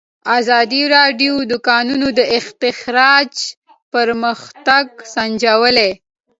ازادي راډیو د د کانونو استخراج پرمختګ سنجولی.